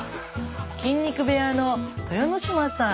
筋肉部屋の豊ノ島さん。